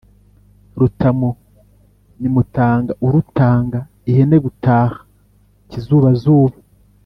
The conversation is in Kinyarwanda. Rutamu ni Mutanga urutanga ihene gutaha.-Ikizubazuba.